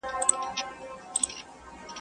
o روغ صورت باچهي ده